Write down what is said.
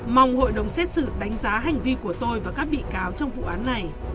mong hội đồng xét xử đánh giá hành vi của tôi và các bị cáo trong vụ án này